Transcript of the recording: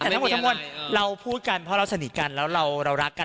แต่ทั้งหมดทั้งมวลเราพูดกันเพราะเราสนิทกันแล้วเรารักกัน